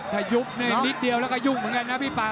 ถ้ายุบนี่นิดเดียวแล้วก็ยุ่งเหมือนกันนะพี่ป่า